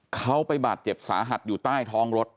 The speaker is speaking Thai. เขาไปบาดเจ็บสาหัสอยู่ใต้ท้องรถ